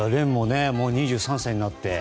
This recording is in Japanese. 廉も２３歳になって。